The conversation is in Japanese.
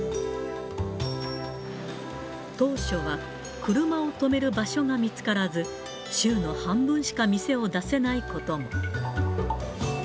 当初は、車を止める場所が見つからず、週の半分しか店を出せないことも。